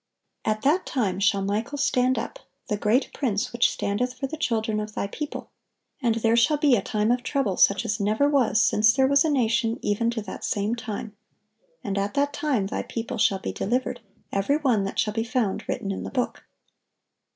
] "At that time shall Michael stand up, the great prince which standeth for the children of thy people: and there shall be a time of trouble, such as never was since there was a nation even to that same time: and at that time thy people shall be delivered, every one that shall be found written in the book."